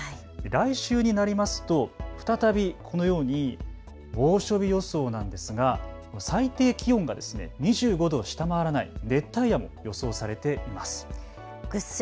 来週になりますと再びこのように猛暑日予想なんですが最低気温が２５度を下回らない熱帯夜も予想されています。